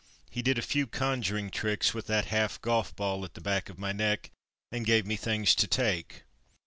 He did a few conjuring tricks with that half golf ball at the back of my neck and gave me things to take.